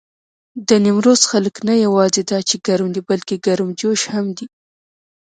د نيمروز خلک نه یواځې دا چې ګرم دي، بلکې ګرمجوش هم دي.